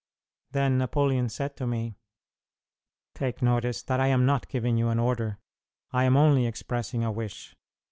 Then Napoleon said to me, "Take notice that I am not giving you an order; I am only expressing a wish.